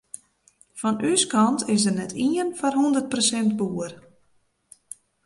Fan ús kant is der net ien foar hûndert persint boer.